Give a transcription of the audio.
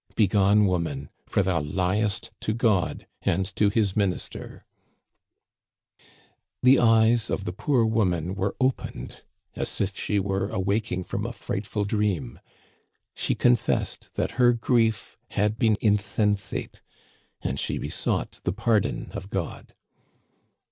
Begone, woman, for thou liest to God and to his minister !'" The eyes of the poor woman were opened as if she were awaking from a frightful dream. She confessed that her grief had been insensate, and she besought the pardon of God.